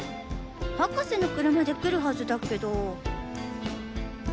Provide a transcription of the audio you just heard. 博士の車で来るはずだけど。